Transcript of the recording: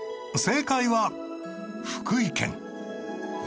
正解は福井県。